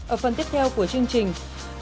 ở phần tiếp theo của chương trình